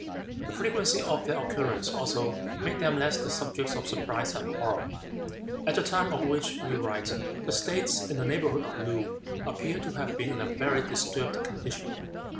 The frequency of their occurrence, also, made them less the subjects of surprise and horror. At the time of which we write, the states in the neighborhood of Loo appear to have been in a very disturbed condition.